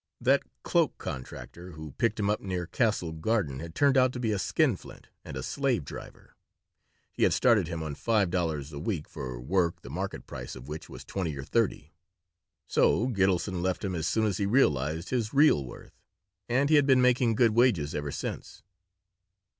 That cloak contractor who picked him up near Castle Garden had turned out to be a skinflint and a slave driver. He had started him on five dollars a week for work the market price of which was twenty or thirty. So Gitelson left him as soon as he realized his real worth, and he had been making good wages ever since.